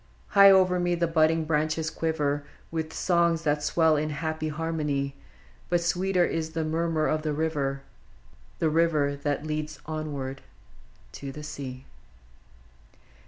High over me the budding branches quiver W;th songs that swell in happy harmony ; But sweeter is the murmur of the river, — The river that leads ever to the sea